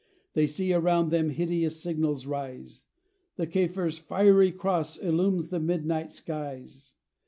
They see around them hideous signals rise, The Kafir's Fiery Cross illumes the midnight skies.